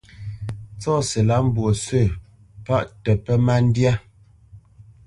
Tsɔ́si lâ mbwǒ sǝ̂ paʼ tǝ pǝ má ndyá.